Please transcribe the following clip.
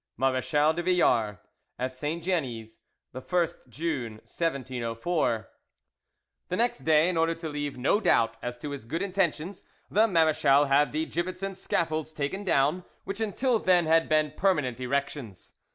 "MARECHAL DE VILLARS "At Saint Genies, the 1st June 1704" The next day, in order to leave no doubt as to his good intentions, the marechal had the gibbets and scaffolds taken down, which until then had been permanent erections.